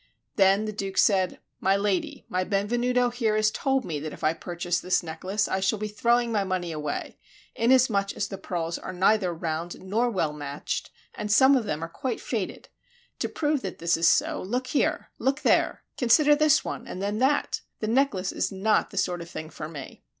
Then the Duke said, "My lady! my Benvenuto here has told me that if I purchase this necklace I shall be throwing my money away, inasmuch as the pearls are neither round nor well matched, and some of them are quite faded. To prove that this is so, look here! look there! consider this one and then that. The necklace is not the sort of thing for me."